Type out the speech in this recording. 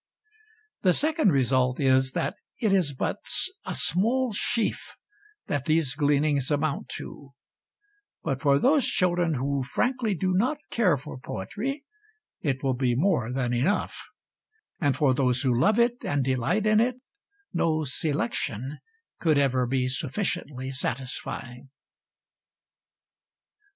The second result is, that it is but a small sheaf that these gleanings amount to; but for those children who frankly do not care for poetry it will be more than enough; and for those who love it and delight in it, no 'selection' could ever be sufficiently satisfying.